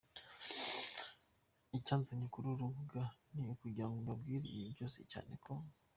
Icyanzanye kuri uru rubuga ni ukugira ngo mbabwire ibi byose cyane ko.